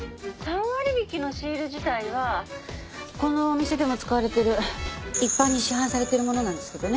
３割引のシール自体はこのお店でも使われてる一般に市販されてるものなんですけどね。